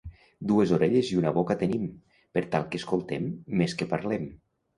Dues orelles i una boca tenim, per tal que escoltem més que parlem.